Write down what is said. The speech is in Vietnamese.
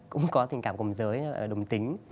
cũng có tình cảm cùng giới đồng tính